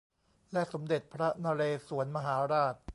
และสมเด็จพระนเรศวรมหาราช